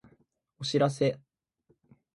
お知らせ